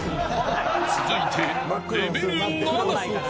続いてレベル７。